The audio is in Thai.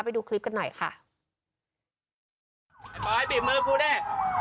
ไปดูคลิปกันหน่อยค่ะไอ้บอยบีบมือกูดิ